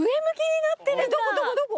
どこどこどこ？